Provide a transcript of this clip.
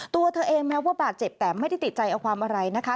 ตัวเธอเองแม้ว่าบาดเจ็บแต่ไม่ได้ติดใจเอาความอะไรนะคะ